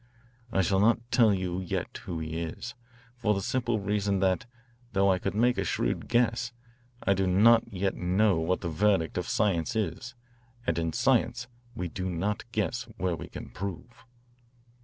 I shall not tell you yet who he is, for the simple reason that, though I could make a shrewd guess, I do not yet know what the verdict of science is, and in science we do not guess where we can prove.